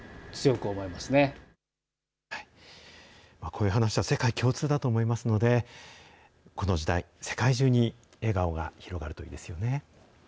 こういう話は、世界共通だと思いますので、この時代、世界中に笑顔が広がるといいですよね。